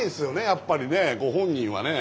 やっぱりねご本人はね。